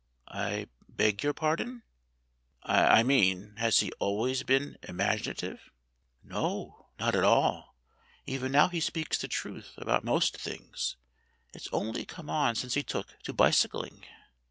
"I beg your pardon ?" "I mean, has he always been imaginative?" "No, not at all. Even now he speaks the truth about most things. It's only come on since he took to bicycling."